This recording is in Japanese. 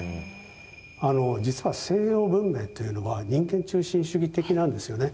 実は西洋文明というのは人間中心主義的なんですよね。